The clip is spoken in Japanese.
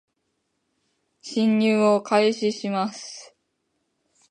進入を開始します